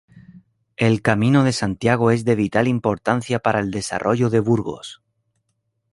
El camino de Santiago es de vital importancia para el desarrollo de Burgos.